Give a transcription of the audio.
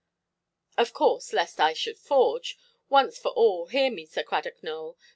"Of course, lest I should forge. Once for all, hear me, Sir Cradock Nowell.